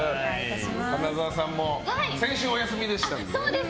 花澤さんも先週お休みでしたけど。